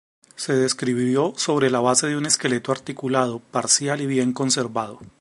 Se describió sobre la base de un esqueleto articulado parcial y bien conservado.